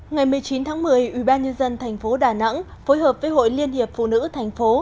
ngày một mươi chín tháng một mươi ủy ban nhân dân thành phố đà nẵng phối hợp với hội liên hiệp phụ nữ thành phố